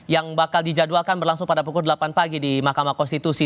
yang bakal dijadwalkan berlangsung pada pukul delapan pagi di mahkamah konstitusi